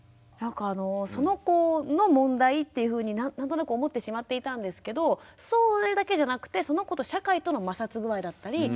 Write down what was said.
なんかその子の問題っていうふうに何となく思ってしまっていたんですけどそれだけじゃなくてその子と社会との摩擦具合だったり